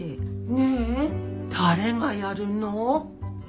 ねえ誰がやるの？